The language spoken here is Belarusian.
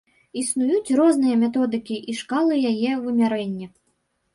Існуюць розныя методыкі і шкалы яе вымярэння.